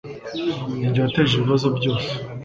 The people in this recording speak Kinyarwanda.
Ninjye wateje ibibazo byose